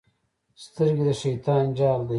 سترګې د شیطان جال دی.